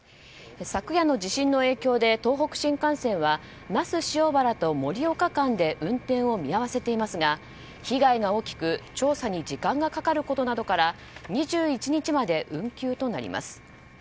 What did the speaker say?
昨夜の地震の影響で東北新幹線は那須塩原と盛岡間で運転を見合わせていますが被害が大きく調査に時間がかかることなどから２１日までの運休となります。